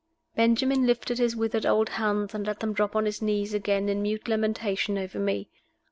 Benjamin lifted his withered old hands, and let them drop on his knees again in mute lamentation over me.